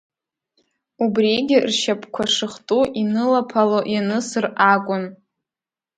Убригьы ршьапқәа шыхту инылаԥало ианысыр акәын.